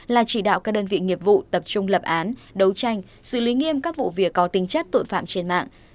là chỉ đạo các đơn vị nghiệp vụ tập trung lập án đấu tranh xử lý nghiêm các vụ việc có tính chất tội phạm trên mạng